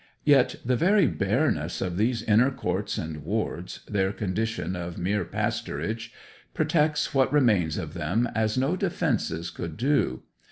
Yet the very bareness of these inner courts and wards, their condition of mere pasturage, protects what remains of them as no defences could do.